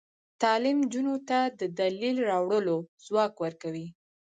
تعلیم نجونو ته د دلیل راوړلو ځواک ورکوي.